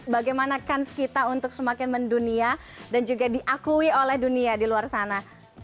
bagaimana kans kita untuk semakin mendunia dan juga diakui oleh dunia di luar sana